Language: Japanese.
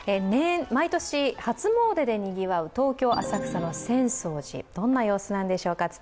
毎年初詣でにぎわう東京・浅草の浅草寺、どんな様子なんでしょうか。